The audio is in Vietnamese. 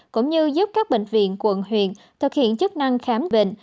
cũng như giúp các bệnh viện quận huyện thực hiện chức năng khám bệnh